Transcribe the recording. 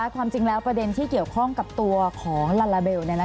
ความจริงแล้วประเด็นที่เกี่ยวข้องกับตัวของลาลาเบล